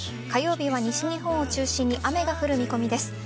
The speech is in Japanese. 火曜日は西日本を中心に雨が降る見込みです。